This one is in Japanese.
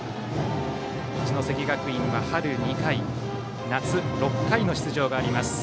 一関学院は、春２回、夏６回の出場があります。